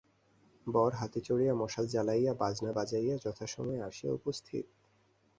বর হাতি চড়িয়া মশাল জ্বালাইয়া বাজনা বাজাইয়া যথাসময়ে আসিয়া উপস্থিত।